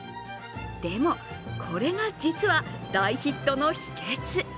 でもこれが実は大ヒットの秘けつ。